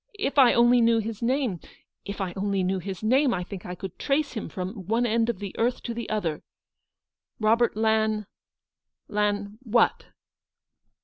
If I only knew his name — if I only knew his name, I think I could trace him from one end of the earth to the other. Robert Lan — Lan — what